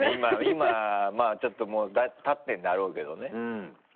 今まぁちょっともうたってるんだろうけどね。